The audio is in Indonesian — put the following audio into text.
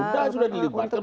sudah sudah dilibatkan